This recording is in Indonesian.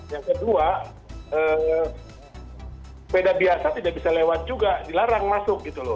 yang kedua sepeda biasa tidak bisa lewat juga dilarang masuk gitu loh